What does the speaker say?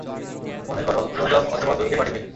মনেকর ব্লোজব অথবা দুধ টেপাটেপি।